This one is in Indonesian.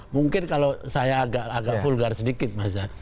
mungkin kalau saya agak vulgar sedikit mas ya